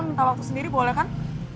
minta waktu sendiri boleh kan